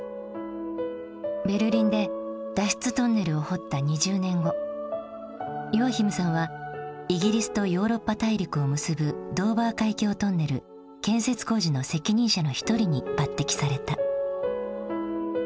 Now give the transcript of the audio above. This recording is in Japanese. ベルリンで脱出トンネルを掘った２０年後ヨアヒムさんはイギリスとヨーロッパ大陸を結ぶ建設工事の責任者の一人に抜てきされた。